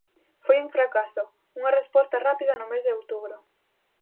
Foi un fracaso unha resposta rápida no mes de outubro.